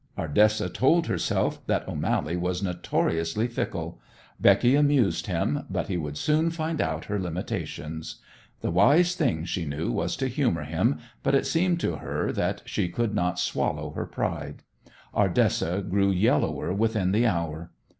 Ardessa told herself that O'Mally was notoriously fickle; Becky amused him, but he would soon find out her limitations. The wise thing, she knew, was to humor him; but it seemed to her that she could not swallow her pride. Ardessa grew yellower within the hour.